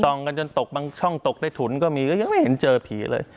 กันจนตกบางช่องตกได้ถุนก็มีก็ยังไม่เห็นเจอผีเลย